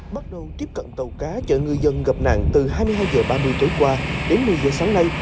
bắt đầu tiếp cận tàu cá chợ ngư dân gặp nạn từ hai mươi hai h ba mươi tối qua đến một mươi h sáng nay